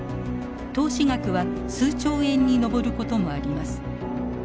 投資額は数兆円に上ることもあります。